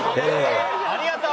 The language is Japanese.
ありがとう！